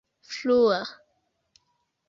flua